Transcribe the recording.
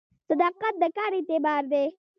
صداقت د کار اعتبار دی